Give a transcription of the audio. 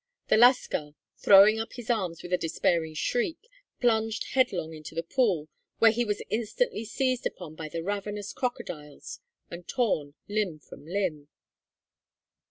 The lascar, throwing up his arms with a despairing shriek, plunged headlong into the pool, where he was instantly seized upon by the ravenous crocodiles and torn limb from limb.